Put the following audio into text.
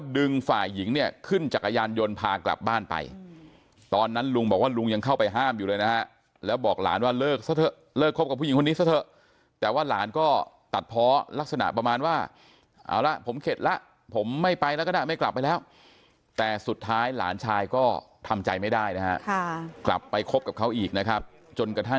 ฝ่ายหญิงเนี่ยขึ้นจักรยานยนต์พากลับบ้านไปตอนนั้นลุงบอกว่าลุงยังเข้าไปห้ามอยู่เลยนะฮะแล้วบอกหลานว่าเลิกซะเถอะเลิกคบกับผู้หญิงคนนี้ซะเถอะแต่ว่าหลานก็ตัดเพาะลักษณะประมาณว่าเอาละผมเข็ดแล้วผมไม่ไปแล้วก็ได้ไม่กลับไปแล้วแต่สุดท้ายหลานชายก็ทำใจไม่ได้นะฮะกลับไปคบกับเขาอีกนะครับจนกระทั่ง